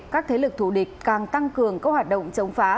các thế lực thù địch càng tăng cường các hoạt động chống phá